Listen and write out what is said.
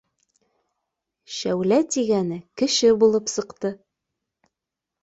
Шәүлә тигәне кеше булып сыҡты